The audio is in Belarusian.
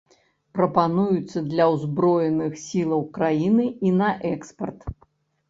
Прапануецца для ўзброеных сілаў краіны і на экспарт.